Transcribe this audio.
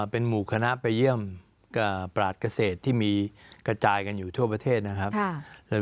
เป็นหมู่คณะไปเยี่ยมปราชเกษตรที่มีกระจายกันอยู่ทั่วประเทศนะครับ